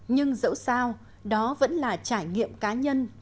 nhưng dẫu sao đó vẫn là trải nghiệm cá nhân